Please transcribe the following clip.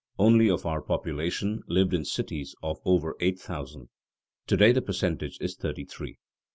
only of our population lived in cities of over eight thousand; to day the percentage is thirty three.